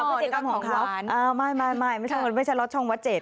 พฤติกรรมของร้านอ่าไม่ไม่ไม่ไม่ใช่ไม่ใช่รอดช่องวัดเจ็ด